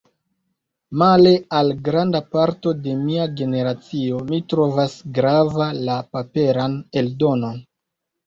Male al granda parto de mia generacio, mi trovas grava la paperan eldonon.